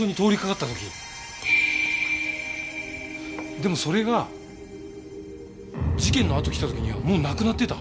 でもそれが事件のあと来た時にはもうなくなってた。